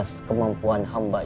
meski kayak peasa ini